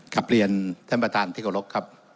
กลับเรียนท่านประธานเทศกรกครับ